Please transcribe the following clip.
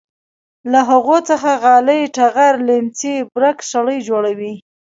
له هغو څخه غالۍ ټغرې لیمڅي برک شړۍ جوړوي.